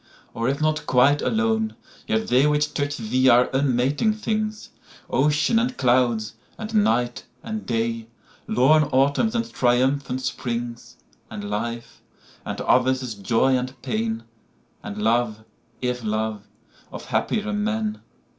Or, if not quite alone, yet theyWhich touch thee are unmating things—Ocean, and Clouds, and Night, and Day; Lorn Autumns and triumphant Springs; And life, and others' joy and pain, And love, if love, of happier men.